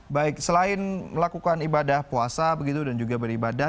baik selain melakukan ibadah puasa begitu dan juga beribadah